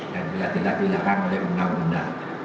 dan bila tidak dilakukan oleh undang undang